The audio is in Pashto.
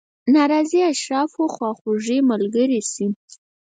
ناراضي اشرافو خواخوږي ملګرې شي.